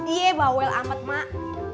iya bahwel amat mak